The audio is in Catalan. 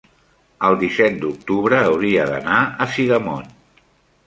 el disset d'octubre hauria d'anar a Sidamon.